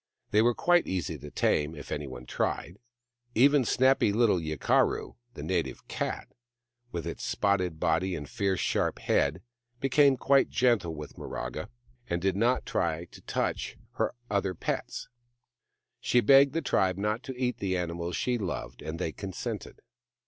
They were quite easy to tame, if anyone tried ; even snappy little Yikaura, the native cat, with its spotted body and fierce sharp head, became quite gentle with Miraga, and did not try to touch 134 THE MAIDEN WHO FOUND THE MOON her other pets. She begged the tribe not to eat the animals she loved, and they consented.